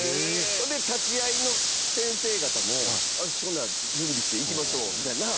それで、立会の先生方もほんなら準備して行きましょうみたいな。